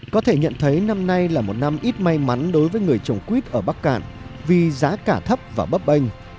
có thể nhận thấy năm nay là một năm ít may mắn đối với người trồng quýt ở bắc cạn vì giá cả thấp và bấp bênh